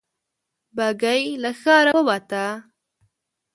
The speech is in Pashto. بګۍ له ښاره ووته.